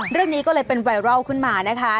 เรื่องนี้ก็เลยเป็นไวรัลขึ้นมานะคะ